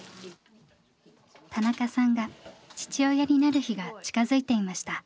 田中さんが父親になる日が近づいていました。